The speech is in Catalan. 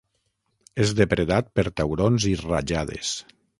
És depredat per taurons i rajades.